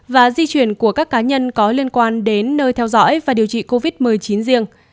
và di chuyển của các cá nhân có liên quan đến nơi theo dõi và điều trị covid một mươi chín riêng